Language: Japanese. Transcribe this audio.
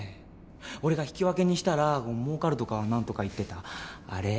俺が引き分けにしたらもうかるとか何とか言ってたあれ。